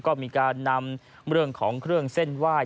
ก็มีการนำเรื่องของเครื่องเส้นไหว้